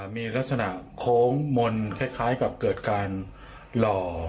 มีลักษณะโค้งมนต์คล้ายกับเกิดการหล่อ